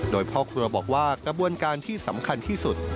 โดยพ่อครัวบอกว่ากระบวนการที่สำคัญที่สุด